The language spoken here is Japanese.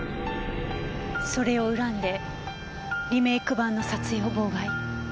それを恨んでリメーク版の撮影を妨害。